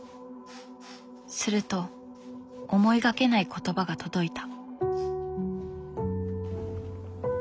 すると思いがけない言葉が届いた。